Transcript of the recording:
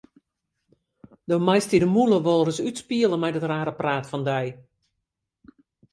Do meist dy de mûle wolris útspiele mei dat rare praat fan dy.